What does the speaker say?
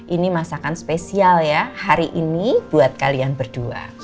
ini masakan spesial ya hari ini buat kalian berdua